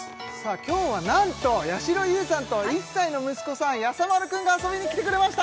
今日はなんとやしろ優さんと１歳の息子さんやさ丸くんが遊びにきてくれました！